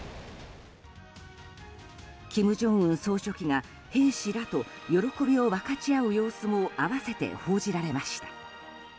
金正恩総書記が、兵士らと喜びを分かち合う様子も併せて報じられました。